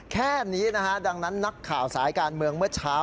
แค่นี้นะฮะดังนั้นนักข่าวสายการเมืองเมื่อเช้า